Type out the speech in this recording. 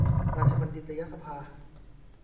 ราชบัณฑิตยสภา